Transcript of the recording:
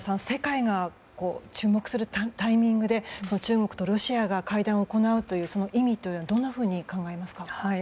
世界が注目するタイミングで中国とロシアが会談を行うという意味をどんなふうに考えますか？